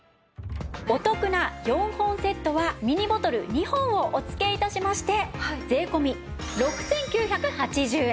お得な４本セットはミニボトル２本をお付け致しまして税込６９８０円。